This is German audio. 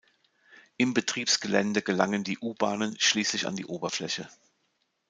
Im Betriebsgelände gelangen die U-Bahnen schließlich an die Oberfläche.